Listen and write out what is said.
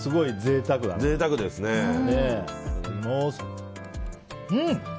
いただきます。